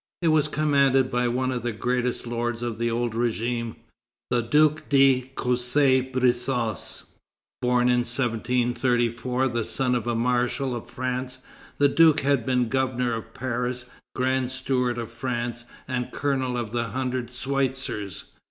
It was commanded by one of the greatest lords of the old régime, the Duke de Cossé Brissac. Born in 1734, the son of a marshal of France, the Duke had been governor of Paris, grand steward of France, and colonel of the Hundred Switzers.